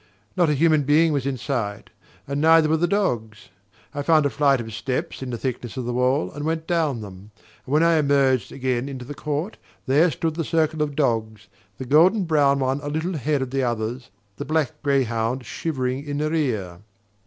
Not a human being was in sight; and neither were the dogs. I found a flight of steps in the thickness of the wall and went down them; and when I emerged again into the court, there stood the circle of dogs, the golden brown one a little ahead of the others, the black greyhound shivering in the rear.